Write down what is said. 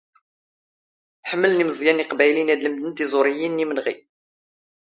ⵃⵎⵍⵏ ⵉⵎⵥⵥⵢⴰⵏⵏ ⵉⵇⴱⴰⵢⵍⵉⵢⵏ ⴰⴷ ⵍⵎⴷⵏ ⵜⵉⵥⵓⵕⵉⵢⵉⵏ ⵏ ⵢⵉⵎⵏⵖⵉ.